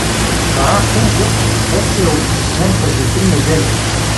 … Карафинков вече е отчислен преди три недели!